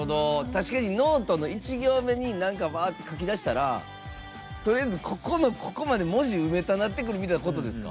ノートの１行目にわーっと書き出したらここの、ここまで文字埋めたなってくるみたいなことですか？